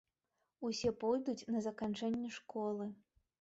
Усе пойдуць на заканчэнне школы.